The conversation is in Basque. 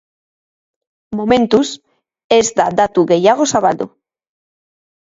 Momentuz, ez da datu gehiago zabaldu.